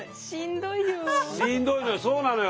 しんどいのよそうなのよ。